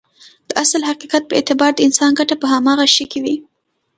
د اصل حقيقت په اعتبار د انسان ګټه په هماغه شي کې وي.